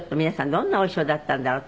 どんなお衣装だったんだろうって。